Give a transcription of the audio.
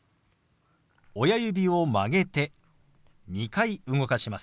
親指を曲げて２回動かします。